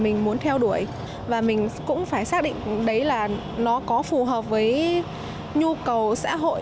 mình muốn theo đuổi và mình cũng phải xác định đấy là nó có phù hợp với nhu cầu xã hội